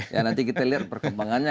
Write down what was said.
ya nanti kita lihat perkembangannya